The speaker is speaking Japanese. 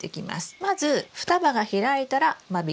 まず双葉が開いたら間引きを始めます。